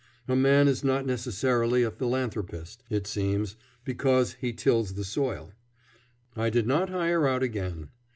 A man is not necessarily a philanthropist, it seems, because he tills the soil. I did not hire out again.